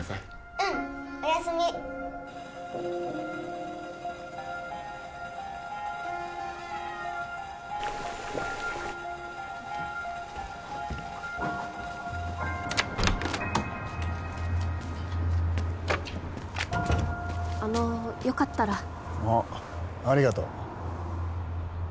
うんおやすみあのよかったらあっありがとう